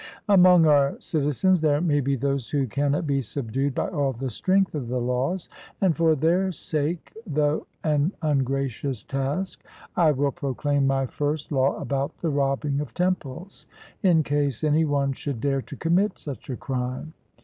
Among our citizens there may be those who cannot be subdued by all the strength of the laws; and for their sake, though an ungracious task, I will proclaim my first law about the robbing of temples, in case any one should dare to commit such a crime.